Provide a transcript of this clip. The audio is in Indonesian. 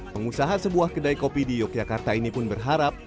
pengusaha sebuah kedai kopi di yogyakarta ini pun berharap